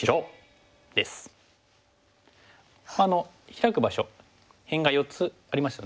ヒラく場所辺が４つありますよね。